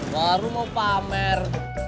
baru mau pamer